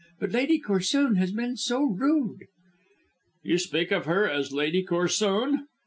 But Lady Corsoon has been so rude." "You speak of her as Lady Corsoon?"